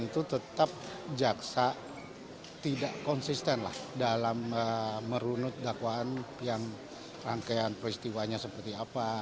itu tetap jaksa tidak konsisten lah dalam merunut dakwaan yang rangkaian peristiwanya seperti apa